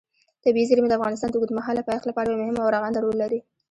طبیعي زیرمې د افغانستان د اوږدمهاله پایښت لپاره یو مهم او رغنده رول لري.